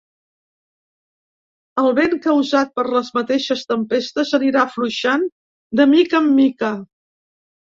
El vent causat per les mateixes tempestes anirà afluixant de mica en mica.